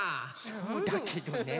そうだけどね。